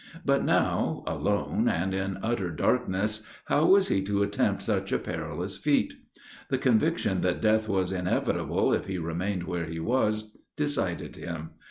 But now, alone and in utter darkness, how was he to attempt such a perilous feat? The conviction that death was inevitable if he remained where he was, decided him.